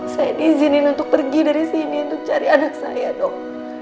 saya diizinin untuk pergi dari sini untuk cari anak saya dong